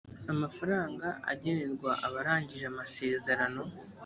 amafaranga agenerwa abarangije amasezerano